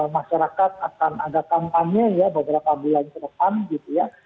masyarakat akan ada kampanye ya beberapa bulan ke depan gitu ya